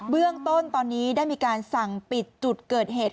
เบื้องต้นตอนนี้ได้มีการสั่งปิดจุดเกิดเหตุ